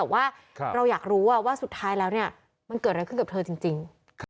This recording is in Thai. แต่ว่าเราอยากรู้ว่าสุดท้ายแล้วมันเกิดอะไรขึ้นกับเธอจริง